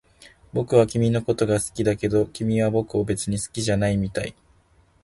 僕は君のことが好きだけど、君は僕を別に好きじゃないみたい